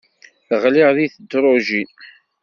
Ɣliɣ deg tedrujin.